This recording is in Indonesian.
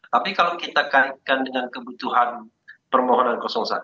tapi kalau kita kaitkan dengan kebutuhan permohonan satu